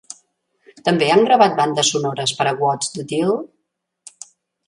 També han gravat bandes sonores per a What's The Deal?